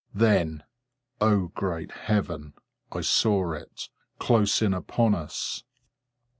Then, O great Heaven, I saw it, close in upon us!